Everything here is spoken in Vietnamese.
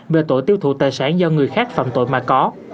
về tội tiêu thụ tài sản do người khác phạm tội mà có